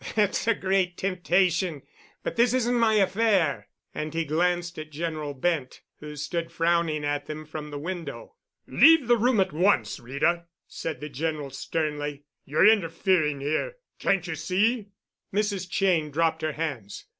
"That's a great temptation—but this isn't my affair," and he glanced at General Bent, who stood frowning at them from the window. "Leave the room at once, Rita!" said the General sternly. "You're interfering here. Can't you see——?" Mrs. Cheyne dropped her hands.